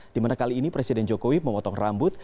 dimana kali ini presiden jokowi memotong rambut